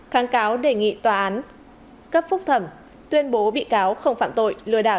kháng cáo đề nghị tòa án cấp phúc thẩm tuyên bố bị cáo không phạm tội lừa đảo